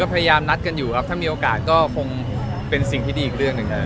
พยายามนัดกันอยู่ครับถ้ามีโอกาสก็คงเป็นสิ่งที่ดีอีกเรื่องหนึ่งครับ